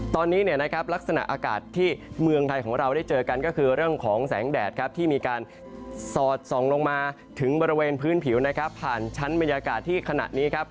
ตอนนี้เนี่ยนะครับลักษณะอากาศที่เมืองไทยของเราได้เจอกันก็คือเรื่องของแสงแดดครับที่มีการสอดส่องลงมาถึงบริเวณพื้นผิวนะครับผ่านชั้นบรรยากาศที่ขณะนี้ครับ